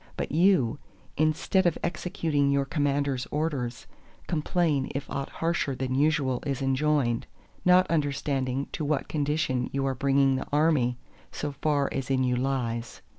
But you, instead of executing you Commander's orders, complain if aught harsher than usual is enjoined; not understanding to what condition you are bringing the army, so far as in you lies.